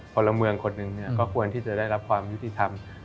พลเมืองคนหนึ่งก็ควรที่จะได้รับความยุติธรรม